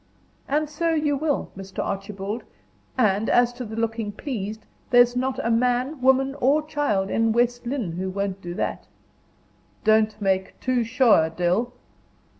"And so you will, Mr. Archibald. And as to the looking pleased, there's not a man, woman or child in West Lynne who won't do that." "Don't make too sure, Dill."